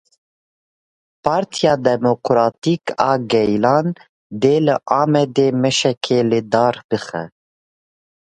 Partiya Demokratîk a Gelan dê li Amedê meşekê li dar bixe.